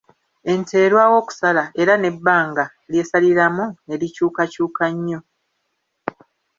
Ente erwawo okusala era n’ebbanga ly’esaliramu ne likyukakyuka nnyo.